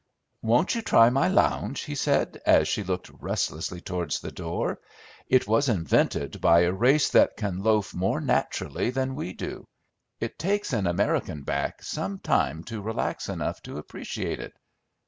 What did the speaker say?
Won't you try my lounge?" he said, as she looked restlessly towards the door. "It was invented by a race that can loaf more naturally than we do: it takes an American back some time to relax enough to appreciate it."